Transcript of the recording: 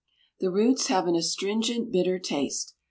The roots have an astringent, bitter taste.